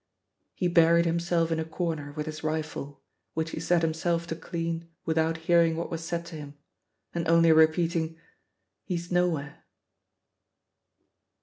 He buried himself in a corner with his rifle, which he set himself to clean without hearing what was said to him, and only repeating "He's nowhere."